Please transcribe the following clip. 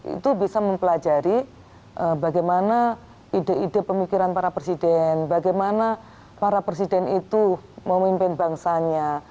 itu bisa mempelajari bagaimana ide ide pemikiran para presiden bagaimana para presiden itu memimpin bangsanya